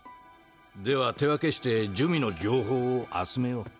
では手分けして珠魅の情報を集めよう。